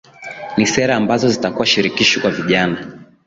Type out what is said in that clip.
Ni sera ambazo zitakuwa shirikishi kwa vijana